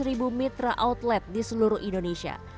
empat ratus ribu mitra outlet di seluruh indonesia